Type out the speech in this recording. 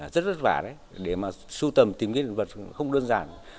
rất vất vả đấy để mà sưu tầm tìm những hiện vật không đơn giản